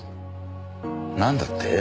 なんだって？